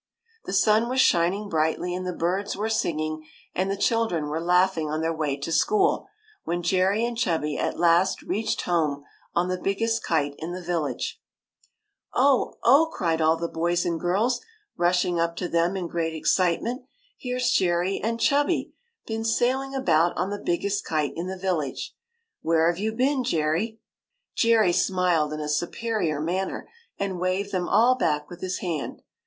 The sun was shining brightly, and the birds were singing, and the children were laughing on their way to school, when Jerry and Chubby at last reached home on the biggest kite in the village. 1 88 KITE THAT WENT TO THE MOON *' Oh, oh !" cried all the boys and giris^ rush ing up to them in great excitement. " Here's Jerry and Chubby been sailing about on the biggest kite in the village ! Where have you been, Jerry?" : Jerry smiled in a superior manner, and waved them all back with his hand.